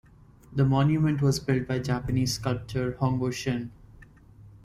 The monument was built by Japanese sculptor Hongo Shin.